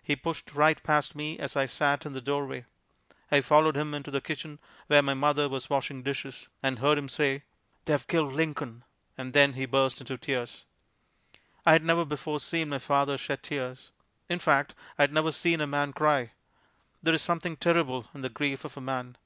He pushed right past me as I sat in the doorway. I followed him into the kitchen where my mother was washing dishes, and heard him say, "They have killed Lincoln!" and then he burst into tears. I had never before seen my father shed tears in fact, I had never seen a man cry. There is something terrible in the grief of a man.